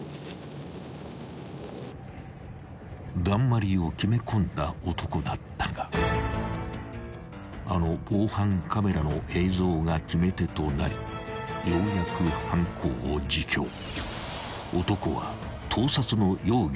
［だんまりを決め込んだ男だったがあの防犯カメラの映像が決め手となりようやく犯行を自供］